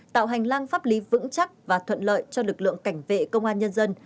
tạo hành lang pháp lý vững chắc và thuận lợi cho lực lượng cảnh vệ công an nhân dân